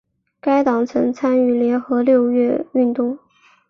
该党曾参加联合六月运动。